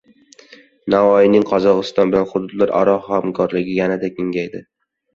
Navoiyning Qozog‘iston bilan hududlararo hamkorligi yanada kengayadi